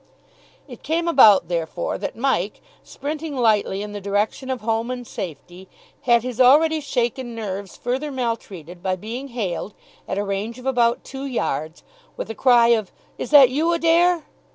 It came about, therefore, that Mike, sprinting lightly in the direction of home and safety, had his already shaken nerves further maltreated by being hailed, at a range of about two yards, with a cry of "Is that you, Adair?"